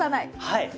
はい！